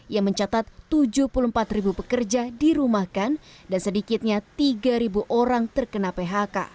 yang mencatat tujuh puluh empat ribu pekerja dirumahkan dan sedikitnya tiga orang terkena phk